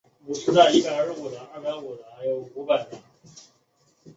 成功布署的太阳能电池板使朱诺号的自转速度降为原来的三分之二。